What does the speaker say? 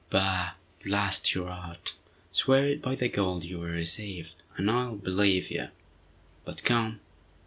"Bah! blast your art! Swear it by the gold you will receive, and I'll believe you. But come!"